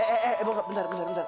eh eh eh bokap bentar bentar bentar